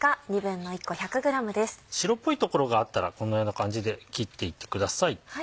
白っぽい所があったらこんなような感じで切っていってください。